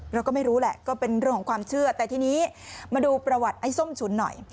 เราก็ไม่รู้แหละก็เป็นเรื่องของความเชื่อแต่ทีนี้มาดูประวัติไอ้ส้มฉุนหน่อย